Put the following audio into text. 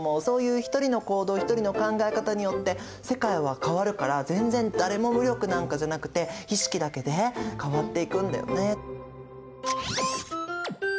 そういう一人の行動一人の考え方によって世界は変わるから全然誰も無力なんかじゃなくて意識だけで変わっていくんだよね。